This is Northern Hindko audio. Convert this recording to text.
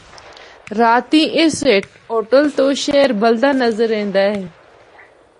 راتیں اس ہوٹل تو شہرا بَلدا نظر ایندا اے۔